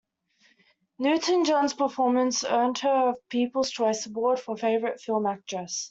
Newton-John's performance earned her a People's Choice Award for Favorite Film Actress.